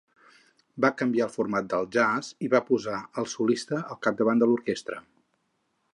Va canviar el format del jazz i va posar al solista al capdavant de l'orquestra.